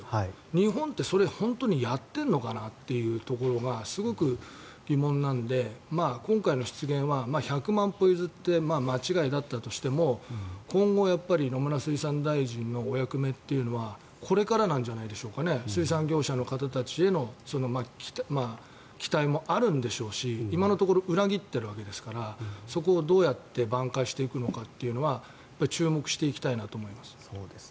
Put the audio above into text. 日本って、それ本当にやってるのかなというところがすごく疑問なので今回の失言は百万歩譲って間違いだったとしても今後、野村水産大臣のお役目というのはこれからなんじゃないでしょうか水産事業者の方たちの期待もあるんでしょうし今のところ裏切っているわけですからそこをどうやってばん回していくのかというのは注目していきたいなと思います。